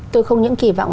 tôi không những kỳ vọng